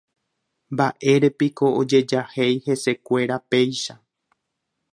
Mbaʼérepiko ojejahéi hesekuéra péicha.